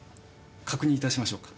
確認いたしましょうか？